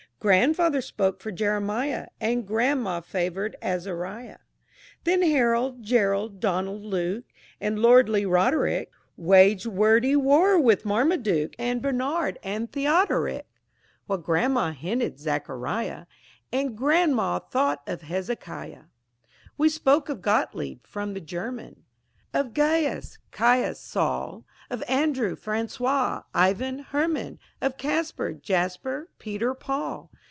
Grandfather spoke for Jeremiah. And grandma favored Azariah. Then Harold, Gerald, Donald, Luke, And lordly Roderick Waged wordy war with Marmaduke And Bernard and Theodoric, While grandpa hinted Zachariah And grandma thought of Hezekiah. We spoke of Gottlieb from the German, Of Gaius, Caius, Saul, Of Andrew, François, Ivan, Herman, Of Caspar, Jasper, Peter, Paul.